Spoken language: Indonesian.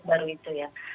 baru itu ya